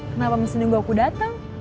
kenapa mesti nunggu aku datang